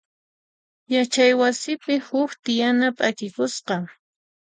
Yachay wasipi huk tiyana p'akikusqa.